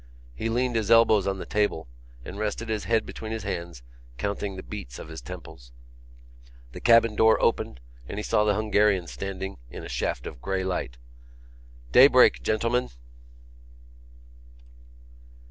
He leaned his elbows on the table and rested his head between his hands, counting the beats of his temples. The cabin door opened and he saw the Hungarian standing in a shaft of grey light: "Daybreak, gentlemen!"